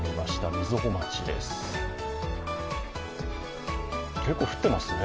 瑞穂町、結構降っていますね。